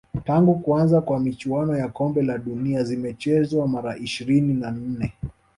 tangu kuanza kwa michuano ya kombe la dunia zimechezwa mara ishiri na nne